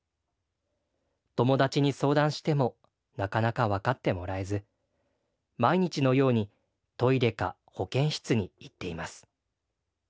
友達に相談してもなかなか分かってもらえず毎日のようにトイレか保健室に行っています。